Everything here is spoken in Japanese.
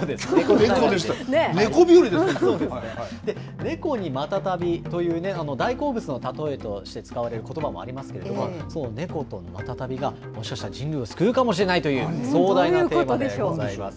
猫でした、猫にマタタビというね、大好物の例えとして使われることばもありますけれども、その猫とマタタビが、もしかしたら人類を救うかもしれないという壮大なテーマでございます。